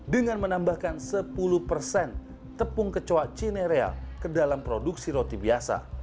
dengan menambahkan sepuluh tepung kecoa cine real ke dalam produksi roti biasa